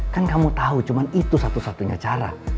kan kamu tahu cuma itu satu satunya cara